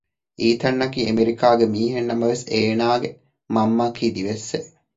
އީތަންއަކީ އެމެރިކާގެ މީހެއް ނަމަވެސް އޭނާގެ މަންމައަކީ ދިވެއްސެއް